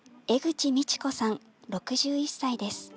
江口美千子さん、６１歳です。